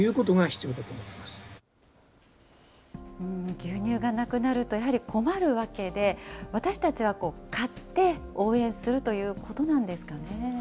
牛乳がなくなるとやはり困るわけで、私たちは買って応援するということなんですかね。